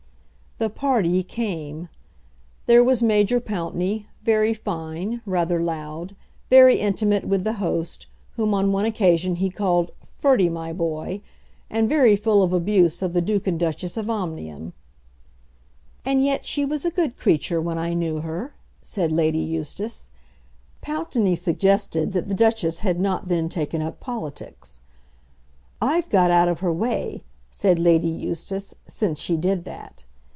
The "party" came. There was Major Pountney, very fine, rather loud, very intimate with the host, whom on one occasion he called "Ferdy, my boy," and very full of abuse of the Duke and Duchess of Omnium. "And yet she was a good creature when I knew her," said Lady Eustace. Pountney suggested that the Duchess had not then taken up politics. "I've got out of her way," said Lady Eustace, "since she did that."